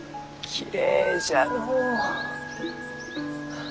きれいじゃのう。